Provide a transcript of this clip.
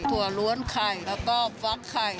ถั่ล้วนไข่แล้วก็ฟักไข่